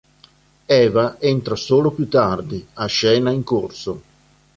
Eva entra solo più tardi, a scena in corso.